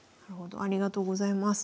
ありがとうございます。